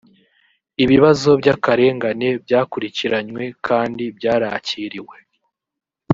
ibibazo by’akarengane byakurikiranywe kandi byarakiriwe